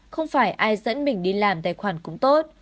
không phải ai dẫn mình đi làm tài khoản cũng tốt